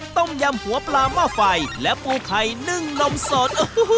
ต้มยำหัวปลาหม้อไฟและปูไข่นึ่งนมสด